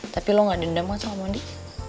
tapi lo gak dendam kan sama mondi